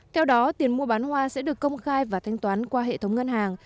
theo đó tiền mua bán hoa sẽ được công khai và thanh toán qua hệ thống ngân hàng